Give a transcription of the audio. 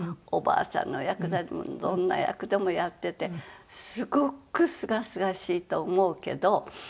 おばあさんの役でもどんな役でもやっててすごくすがすがしいと思うけど。